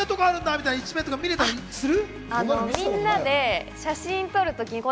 みたいな一面見れたりする？